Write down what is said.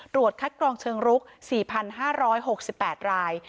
คัดกรองเชิงรุก๔๕๖๘ราย